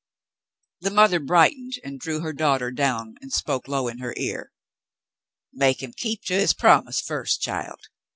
The mother brightened and drew her daughter down and spoke low in her ear. "Make him keep to his promise first, child.